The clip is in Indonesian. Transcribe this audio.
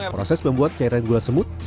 proses membuat cairan gula semut